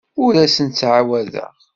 Ur asent-ttɛawadeɣ.